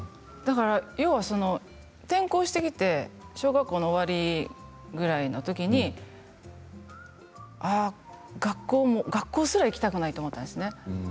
要は転校してきて小学校の終わりぐらいのときに学校すら行きたくないと思ったんですね。